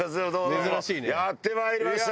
やってまいりました。